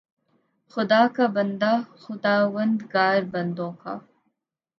خدا کا بندہ، خداوندگار بندوں کا